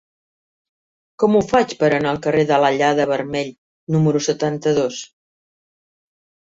Com ho faig per anar al carrer de l'Allada-Vermell número setanta-dos?